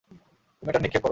তুমি এটা নিক্ষেপ কর।